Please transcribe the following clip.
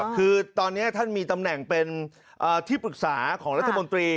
คือตอนนี้ท่านมีตำแหน่งเป็นที่ปรึกษาของรัฐมนตรี